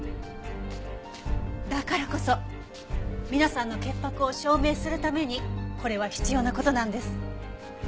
だからこそ皆さんの潔白を証明するためにこれは必要な事なんです。